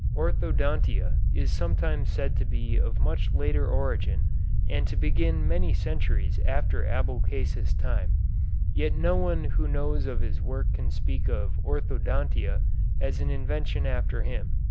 Orthodontia is sometimes said to be of much later origin and to begin many centuries after Abulcasis' time, yet no one who knows of his work can speak of Orthodontia as an invention after him.